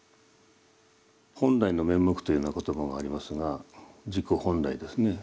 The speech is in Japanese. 「本来面目」というような言葉がありますが自己本来ですね